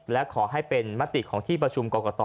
และขอให้เป็นมติของที่ประชุมกรกต